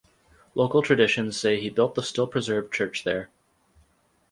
Local traditions say he built the still preserved church there.